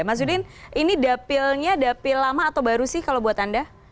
mas udin ini dapilnya dapil lama atau baru sih kalau buat anda